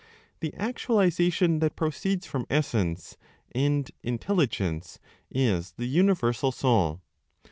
The actualization that proceeds from Essence (and Intelligence) is the universal Soul.